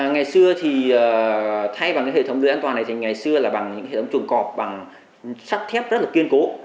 ngày xưa thì thay bằng cái hệ thống lưới an toàn này thì ngày xưa là bằng những hệ thống chuồng cọp bằng sắt thép rất là kiên cố